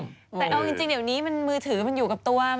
แต่เอาจริงเดี๋ยวนี้มือถือมันอยู่กับตัว